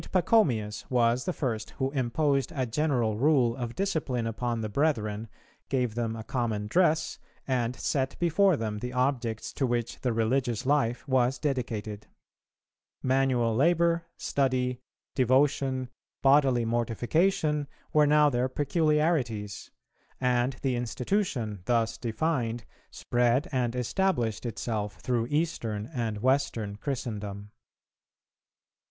Pachomius was the first who imposed a general rule of discipline upon the brethren, gave them a common dress, and set before them the objects to which the religious life was dedicated. Manual labour, study, devotion, bodily mortification, were now their peculiarities; and the institution, thus defined, spread and established itself through Eastern and Western Christendom.